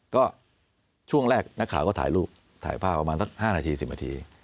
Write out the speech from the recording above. ก็ช่วงแรกนักข่าวก็ถ่ายรูปถ่ายภาพประมาณสัก๕นาที๑๐นาที